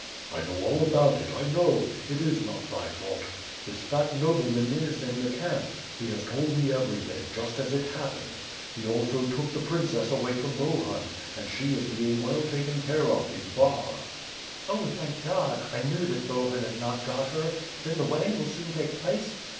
'' "I know all about it, I know! It is not thy fault. This fat nobleman is in the camp. He has told me everything; just as it happened. He also took the princess away from Bohun and she is being well taken care of in Bar." "Oh, thank God! I knew that Bohun had not got her. Then the wedding will soon take place?"